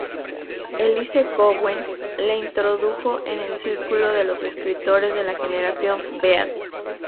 Elise Cowen la introdujo en el círculo de los escritores de la generación beat.